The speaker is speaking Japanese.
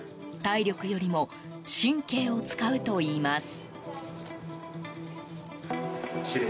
体力よりも神経を使うといいます。